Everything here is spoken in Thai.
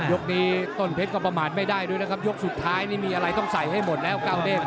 ยกนี้ต้นเพชรก็ประมาทไม่ได้ด้วยนะครับยกสุดท้ายนี่มีอะไรต้องใส่ให้หมดแล้วเก้าเด้ง